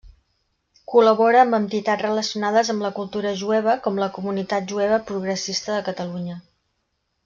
Col·labora amb entitats relacionades amb la cultura jueva com la Comunitat Jueva Progressista de Catalunya.